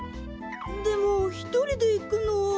でもひとりでいくのは。